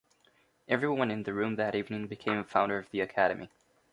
Everyone in the room that evening became a founder of the Academy.